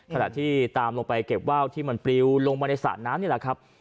ขณะที่ตามลงไปเก็บว่าวที่มันปลิวลงมาในสระน้ำนี่แหละครับ